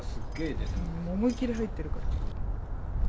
思い切り入ってるから。